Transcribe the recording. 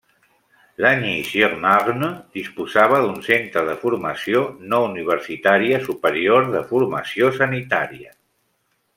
Lagny-sur-Marne disposava d'un centre de formació no universitària superior de formació sanitària.